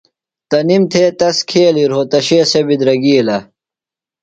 تنِم تھےۡ تس کھیلیۡ رھوتشے سےۡ بِدرگیلہ۔